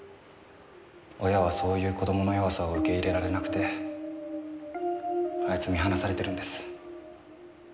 親はそういう子供の弱さを受け入れられなくてあいつ見放されてるんです。